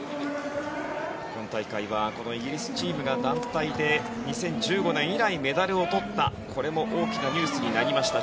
今大会はこのイギリスチームが団体で２０１５年以来メダルを取ったこれも大きなニュースになりました。